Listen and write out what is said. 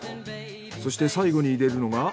そして最後に入れるのが。